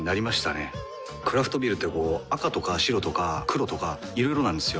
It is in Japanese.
クラフトビールってこう赤とか白とか黒とかいろいろなんですよ。